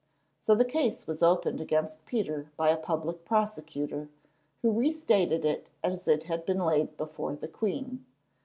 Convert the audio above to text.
So the case was opened against Peter by a public prosecutor, who restated it as it had been laid before the queen.